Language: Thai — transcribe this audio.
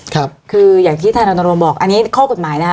ครับคืออย่างที่ทนายรณรงค์บอกอันนี้ข้อกฎหมายนะคะ